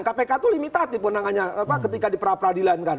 kpk itu limitatif ketika diperapradilankan